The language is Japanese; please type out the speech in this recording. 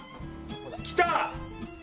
来た！